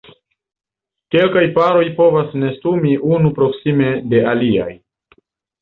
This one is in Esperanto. Kelkaj paroj povas nestumi unu proksime de aliaj.